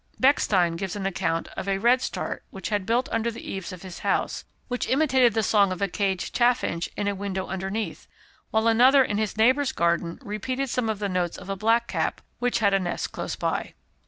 Bechstein gives an account of a redstart which had built under the eaves of his house, which imitated the song of a caged chaffinch in a window underneath, while another in his neighbour's garden repeated some of the notes of a blackcap, which had a nest close by.